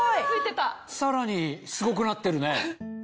さらにすごくなってるね。